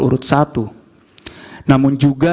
urut satu namun juga